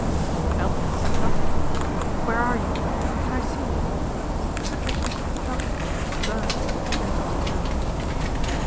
So Elton had said nothing. ' Where are you ? Can I see you ?" Patricia felt her cheeks burn at the eagerness of his tone.